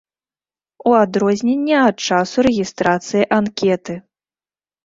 У адрозненне ад часу рэгістрацыі анкеты.